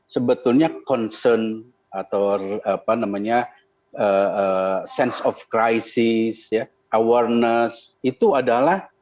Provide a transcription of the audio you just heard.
sebetulnya concern atau apa namanya sense of crisis awareness itu adalah